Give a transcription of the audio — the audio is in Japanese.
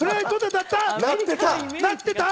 鳴ってた？